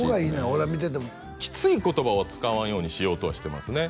俺が見ててもきつい言葉を使わんようにしようとはしてますね